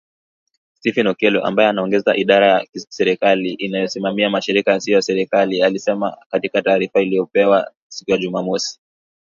StephenOKello, ambaye anaongoza idara ya serikali inayosimamia mashirika yasiyo ya kiserikali, alisema katika taarifa iliyopewa siku ya Jumamosi.